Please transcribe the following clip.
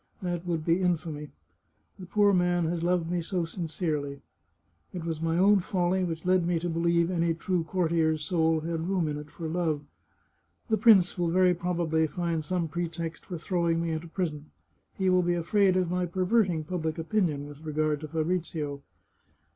That would be infamy. The poor man has loved me so sincerely. It was my own folly which led me to believe any true cour tier's soul had room in it for love. The prince will very probably find some pretext for throwing me into prison. He will be afraid of my perverting public opinion with re gard to Fabrizio.